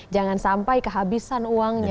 jangan sampai kehabisan uangnya